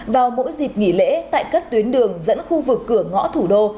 vào mỗi dịp nghỉ lễ tại các tuyến đường dẫn khu vực cửa ngõ thủ đô